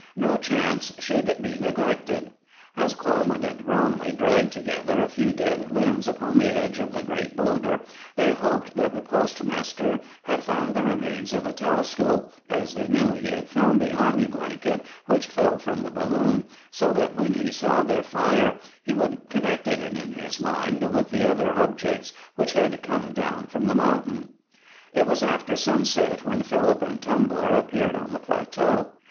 No chance should be neglected. As Coleman and Bromley dragged together a few dead limbs upon the edge of the great boulder, they hoped that the postmaster had found the remains of the telescope, as they knew he had found the army blanket which fell from the balloon, so that when he saw their fire he would connect it, in his mind, with the other objects which had come down from the mountain. It was after sunset when Philip and Tumbler appeared on the plateau.